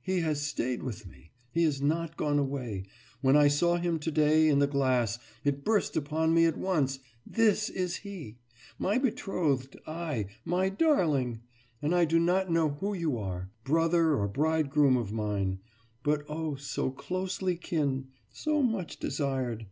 He has stayed with me. He has not gone away. When I saw him today, in the glass, it burst upon me at once: This is he! my betrothed! my darling! And I do not know who you are, brother or bridegroom of mine. But oh, so closely kin, so much desired....